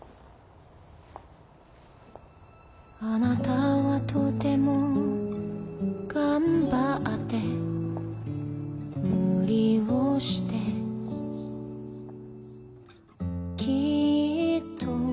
「あなたはとても頑張って」「無理をしてきっと」